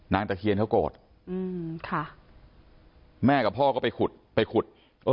ตะเคียนเขาโกรธอืมค่ะแม่กับพ่อก็ไปขุดไปขุดเออ